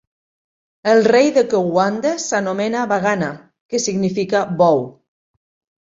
El rei de Kouande s'anomena "Bagana" que significa Bou.